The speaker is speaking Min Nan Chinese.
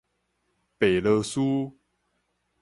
白羅斯